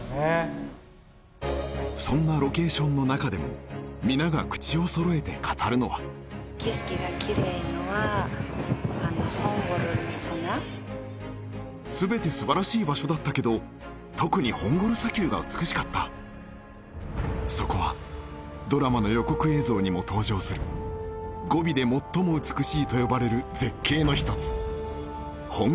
うんそんなロケーションの中でも皆が口を揃えて語るのは景色がキレイのは全て素晴らしい場所だったけど特にホンゴル砂丘が美しかったそこはドラマの予告映像にも登場するゴビで最も美しいと呼ばれる絶景の一つ